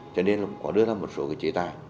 cho nên là cũng có đưa ra một số cái chế tài